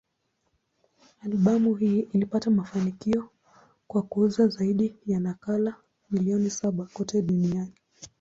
Albamu hii ilipata mafanikio kwa kuuza zaidi ya nakala milioni saba kote duniani.